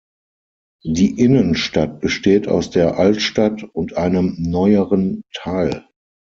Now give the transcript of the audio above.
Die Innenstadt besteht aus der Altstadt und einem neueren Teil.